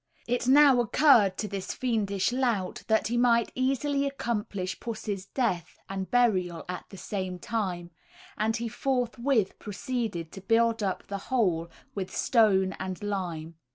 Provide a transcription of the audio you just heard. It now occurred to this fiendish lout, that he might easily accomplish pussy's death and burial at the same time, and he forthwith proceeded to build up the hole with stone and lime.